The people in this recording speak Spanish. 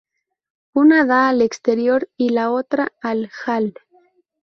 Una da al exterior, y la otra al "hall".